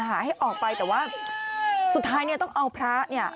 ให้ออกไปแต่ว่าสุดท้ายเนี่ยต้องเอาพระเนี่ย